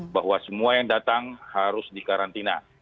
bahwa semua yang datang harus dikarantina